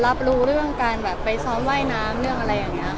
ราบรู้เรื่องการไปซ้อนไหวน้ำการทำตรวจงาน